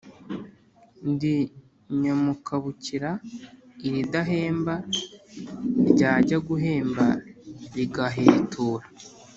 Ndi Nyamukabukira ilidahemba, lyajya guhemba ligahetura.